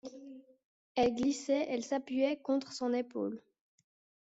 Elle glissait, elle s’appuyait contre son épaule.